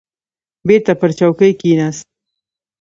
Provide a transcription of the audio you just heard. بېرته پر چوکۍ کښېناست.